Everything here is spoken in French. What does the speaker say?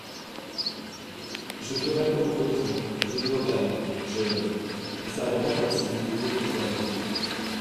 Je ferai comme Vautrin, j'irai au bagne ! je … Il s'arrêta comme s'il eût été foudroyé.